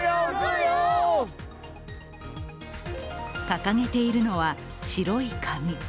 掲げているのは白い紙。